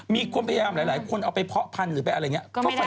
มีความพยายามหลายคนเอาไปเพาะพันหรือไปอะไรอย่างเงี้ยก็ไฟไม้